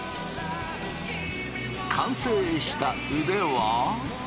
完成した腕は。